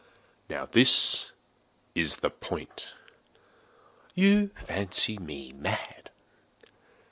Now this is the point. You fancy me mad.